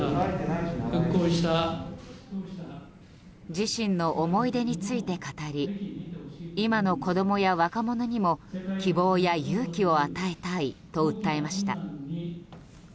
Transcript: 自身の思い出について語り今の子供や若者にも希望や勇気を与えたいと訴えました。